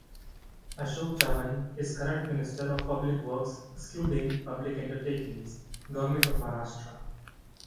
Ashok Chavan is Current Minister of Public Works (Excluding Public Undertakings) Government of Maharashtra.